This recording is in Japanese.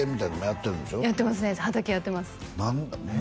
やってますね